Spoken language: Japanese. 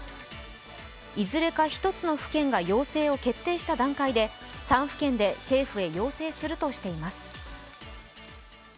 いずれか１つの府県が要請を決定した段階で３府県で政府へ要請するとしています。